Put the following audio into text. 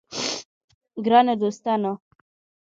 ګرانو دوستانو!